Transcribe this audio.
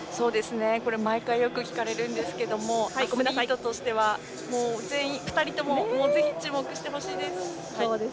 毎回よく聞かれるんですけどアスリートとしては全員２人とも注目してほしいです。